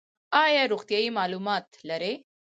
ایا روغتیایی معلومات لرئ؟